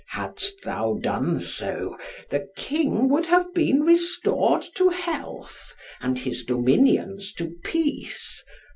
Hadst thou done so, the King would have been restored to health, and his dominions to peace.